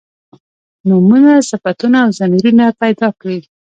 نومونه صفتونه او ضمیرونه پیدا کړي.